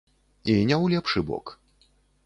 І не ў лепшы бок.